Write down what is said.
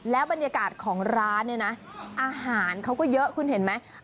บรรยากาศของร้านเนี่ยนะอาหารเขาก็เยอะคุณเห็นไหม